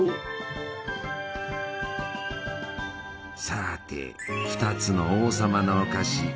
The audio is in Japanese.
さて２つの「王様のお菓子」。